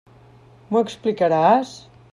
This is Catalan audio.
M'ho explicaràs?